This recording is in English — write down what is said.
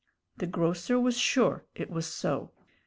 The grocer was sure it was so.